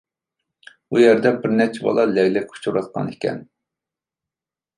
ئۇ يەردە بىر نەچچە بالا لەگلەك ئۇچۇرۇۋاتقان ئىكەن.